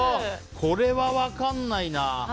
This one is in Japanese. これは分からないな。